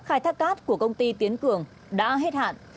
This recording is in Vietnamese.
khai thác cát của công ty tiến cường đã hết hạn